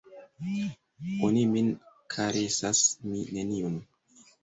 Oni min karesas, mi neniun!